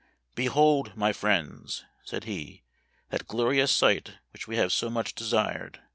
' Behold, my friends/ said he, ' that glorious sight which we have so much desired.